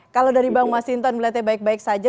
kalau dari bang mas hinton melihatnya baik baik saja